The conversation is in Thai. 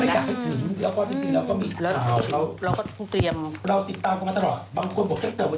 อีกคราวเราก็ติดตามมาตลอดบางคนบอกว่าอยู่แต่เวลา๒๓วัน